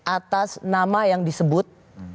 atas nama yang disebut